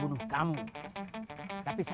lelaki yang barusan